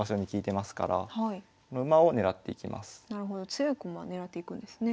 強い駒を狙っていくんですね。